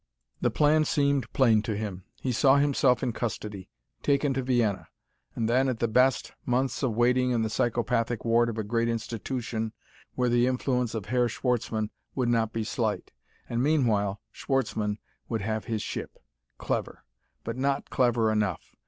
The plan seemed plain to him. He saw himself in custody; taken to Vienna. And then, at the best, months of waiting in the psychopathic ward of a great institution where the influence of Herr Schwartzmann would not be slight. And, meanwhile, Schwartzmann would have his ship. Clever! But not clever enough.